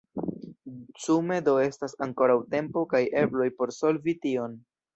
Sume do estas ankoraŭ tempo kaj ebloj por solvi tion.